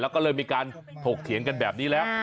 แล้วก็เลยมีการถกเถียงกันแบบนี้แล้ว